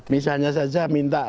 misalnya saja minta